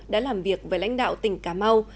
đã làm việc với lãnh đạo tỉnh cà mau